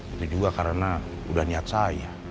ini juga karena udah niat saya